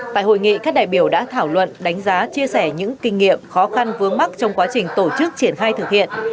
tại hội nghị các đại biểu đã thảo luận đánh giá chia sẻ những kinh nghiệm khó khăn vướng mắt trong quá trình tổ chức triển khai thực hiện